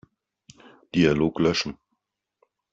Dialog löschen.